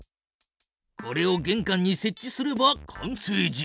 これをげんかんにせっ置すれば完成じゃ。